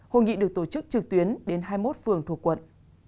hội nghị được tổ chức trực tuyến đến hai mươi một phường thuộc quận